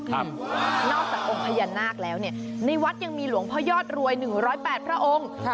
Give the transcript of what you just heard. ครับนอกจากองค์พญานาคแล้วเนี่ยในวัดยังมีหลวงพระยอดรวยหนึ่งร้อยแปดพระองค์ค่ะ